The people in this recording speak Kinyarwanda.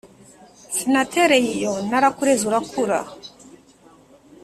sinatereye iyo narakureze urakura